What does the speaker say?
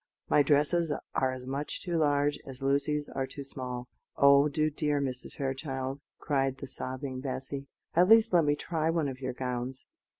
My dresses are as much too large as Lucy's are too small." "Oh, do, dear Mrs. Fairchild," cried the sobbing Bessy, "at least, let me try one of your gowns."